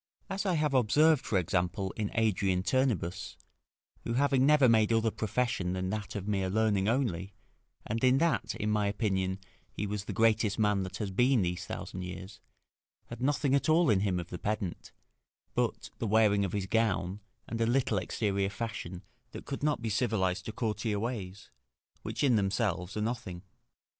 As I have observed, for example, in Adrian Turnebus, who having never made other profession than that of mere learning only, and in that, in my opinion, he was the greatest man that has been these thousand years, had nothing at all in him of the pedant, but the wearing of his gown, and a little exterior fashion, that could not be civilised to courtier ways, which in themselves are nothing.